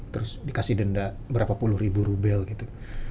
terus dikasih denda berapa puluh ribu rubel gitu